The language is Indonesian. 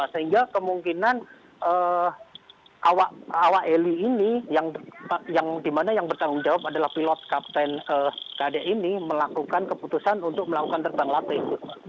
sehingga kemungkinan awak heli ini yang bertanggung jawab adalah pilot kapten gade ini melakukan keputusan untuk melakukan terbang latih